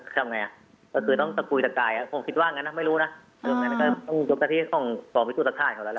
ก็คือต้องสะกุยสะกายอ่ะผมคิดว่างั้นนะไม่รู้นะต้องยกตะที่ของศพฤตุธรรมชาติเขาแล้ว